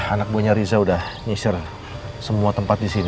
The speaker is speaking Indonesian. anak buahnya riza sudah menyisir semua tempat di sini